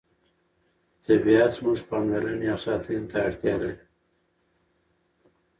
طبیعت زموږ پاملرنې او ساتنې ته اړتیا لري